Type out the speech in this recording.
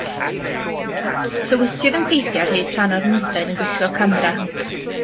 Tywysydd yn teithio ar hyd rhan o'r Ynysoedd yn gwisgo camera.